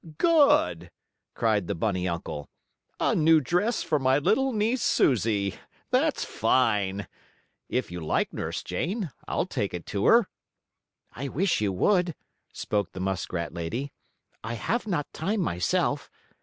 "Good!" cried the bunny uncle. "A new dress for my little niece Susie. That's fine! If you like, Nurse Jane, I'll take it to her." "I wish you would," spoke the muskrat lady. "I have not time myself.